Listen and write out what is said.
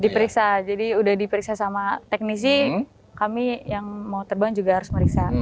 diperiksa jadi udah diperiksa sama teknisi kami yang mau terbang juga harus meriksa